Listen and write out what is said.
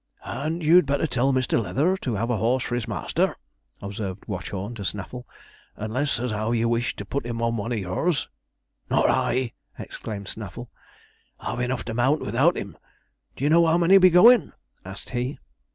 'And you'd better tell Mr. Leather to have a horse for his master,' observed Watchorn to Snaffle, 'unless as how you wish to put him on one of yours.' 'Not I,' exclaimed Snaffle; 'have enough to mount without him. D'ye know how many'll be goin'?' asked he.